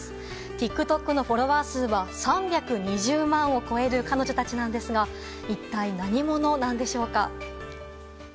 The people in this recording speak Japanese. ＴｉｋＴｏｋのフォロワー数は３２０万を超える彼女たちなんですが、一体何者なんでしょうか。